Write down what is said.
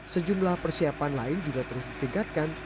sejumlah persiapan lain juga terus ditingkatkan